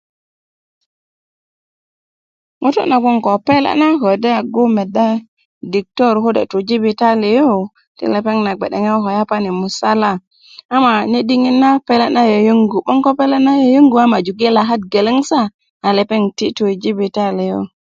ŋutu' nagoŋ ko pele' na ködö agu meda diktor kode' tu jibitali yu ti lepeŋ na gbe'deŋe ko yapani musala ama nene' diŋit na pele' na yöyöŋgu a majuk i lakat geleŋ sa a lepeŋ na iti tu i jibitaliya yu